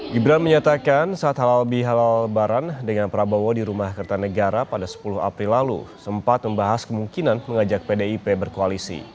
gibran menyatakan saat halal bihalal barang dengan prabowo di rumah kertanegara pada sepuluh april lalu sempat membahas kemungkinan mengajak pdip berkoalisi